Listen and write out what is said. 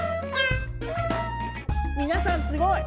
みなさんすごい。